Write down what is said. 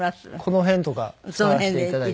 この辺とか使わせて頂いて。